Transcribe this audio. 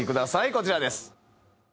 こちらです。